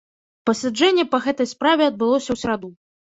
Пасяджэнне па гэтай справе адбылося ў сераду.